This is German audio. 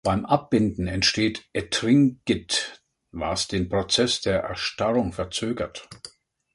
Beim Abbinden entsteht Ettringit, was den Prozess der Erstarrung verzögert.